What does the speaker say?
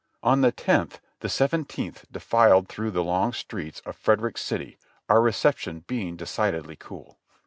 On the tenth the Seventeenth defiled through the long streets of Frederick City, our reception being decidedly cool.